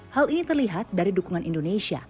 hal ini terlihat dari dukungan indonesia